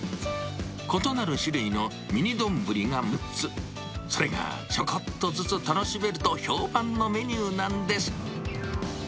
異なる種類のミニ丼が６つ、それがちょこっとずつ楽しめると評判のメニューなんです。